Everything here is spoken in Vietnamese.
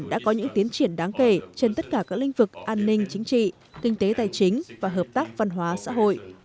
đã có những tiến triển đáng kể trên tất cả các lĩnh vực an ninh chính trị kinh tế tài chính và hợp tác văn hóa xã hội